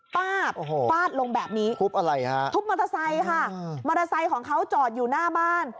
ป้าบฟาดลงแบบนี้ทุบอะไรฮะทุบมอเตอร์ไซค์ค่ะมอเตอร์ไซค์ของเขาจอดอยู่หน้าบ้าน